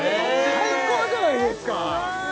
最高じゃないですか！